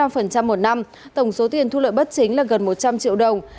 và sáu mươi năm một năm tổng số tiền thu lợi bất chính là gần một trăm linh triệu đồng